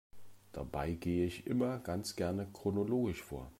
Dabei gehe ich immer ganz gerne chronologisch vor.